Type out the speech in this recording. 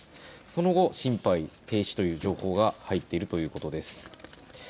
その後、心肺停止という情報が入っているということです。